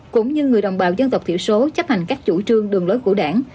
cũng như người đồng bào dân tộc thiểu số chấp hành các chủ trương đường lối của đảng